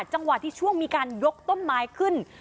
จังหวะที่ช่วงมีการยกต้นไม้ขึ้น